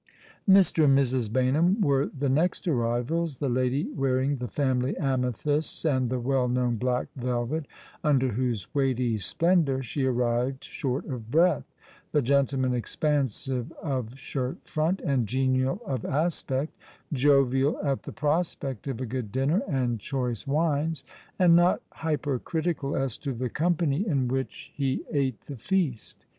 Mr. and Mrs. Baynham were the next arrivals ; the lady wearing the family amethysts and the well known black velvet, under whose weighty splendour she arrived short of breath ; the gentleman expansive of shirt front, and genial of aspect, jovial at the prospect of a good dinner and choice wines, and not hypercritical as to the company in which ho ate the feast.